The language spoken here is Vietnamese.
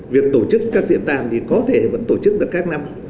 việc tổ chức các diễn đàn thì có thể vẫn tổ chức được các năm